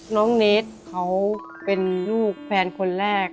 น้องเนสเขาเป็นลูกแฟนคนแรก